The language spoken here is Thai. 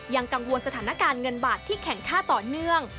ยังกังวลสถานการณ์เงินบาทที่แข็งค่าต่อเนื่อง